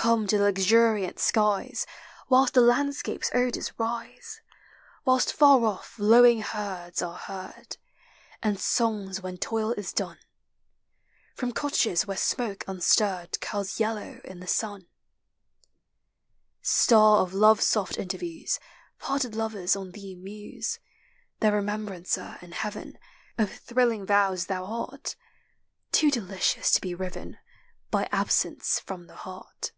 Tome to the luxuriant skies, Whilst the landscape's odors rise, Whilst far off lowing herds are heard, And songs when toil is done. From cottages where smoke unstirred Curls yellow in the sun. Star of love's soft interviews, Parted lovers on thee muse ; Their remembrancer in heaven Of thrilling vows thou art, Too delicious to be riven By absence from the heart.